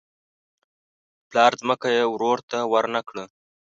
د پلار ځمکه یې ورور ته ورنه کړه.